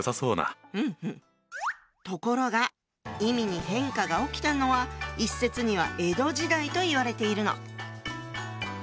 ところが意味に変化が起きたのは一説には江戸時代といわれているの。